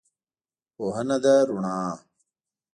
پوهنه ده رڼا